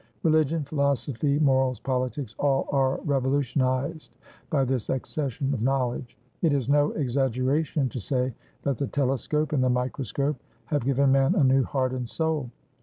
Religion, philosophy, morals, politics, all are revolutionised by this accession of knowledge. It is no exaggeration to say that the telescope and the microscope have given man a new heart and soul.